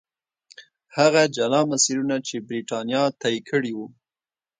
هغه جلا مسیرونه چې برېټانیا طی کړي وو.